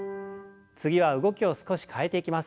次は動きを少し変えていきます。